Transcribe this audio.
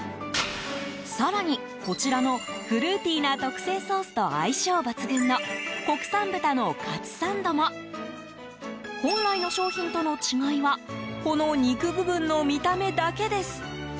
更に、こちらのフルーティーな特製ソースと相性抜群の国産豚のかつサンドも本来の商品との違いはこの肉部分の見た目だけです。